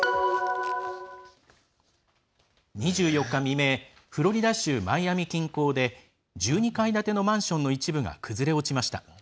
２４日未明フロリダ州マイアミ近郊で１２階建てのマンションの一部が崩れ落ちました。